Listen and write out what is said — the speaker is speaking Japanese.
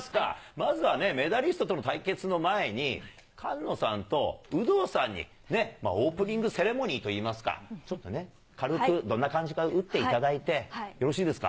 まずはね、メダリストとの対決の前に、菅野さんと有働さんに、オープニングセレモニーといいますか、ちょっとね、軽くどんな感じか打っていただいてよろしいですか？